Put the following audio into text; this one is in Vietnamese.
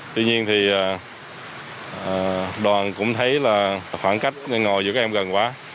tuy nhiên thì đoàn cũng thấy là khoảng cách ngồi giữa các em gần quá